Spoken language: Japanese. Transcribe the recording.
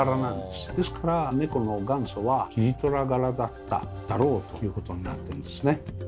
ですから猫の元祖はキジトラ柄だっただろうということになってるんですね。